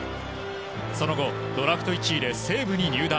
その後、ドラフト１位で西武に入団。